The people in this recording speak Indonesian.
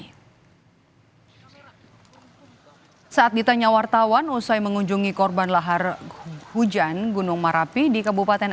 saat ditanya wartawan usai mengunjungi korban lahar hujan gunung merapi di kabupaten